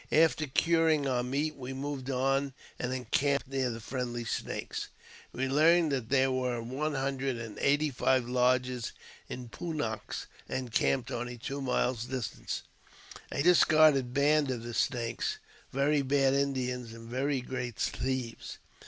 ] After curing our meat, we moved on and encamped near the| friendly Snakes. We learned that there were one hundred and] eighty five lodges of Pun naks encamped only two miles dis j tant, a discarded band of the Snakes, very bad Indians, and] very great thieves.